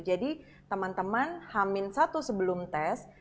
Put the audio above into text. jadi teman teman hamin satu sebelum tes